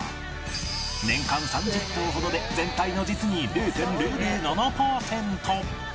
年間３０頭ほどで全体の実に ０．００７ パーセント